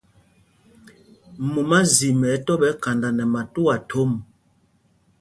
Mumázim ɛ̌ tɔ́ ɓɛ khanda nɛ matuá thom.